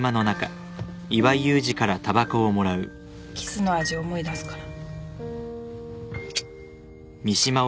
キスの味思い出すから